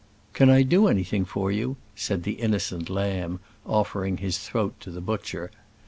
"Can I do anything for you?" said the innocent lamb, offering his throat to the butcher.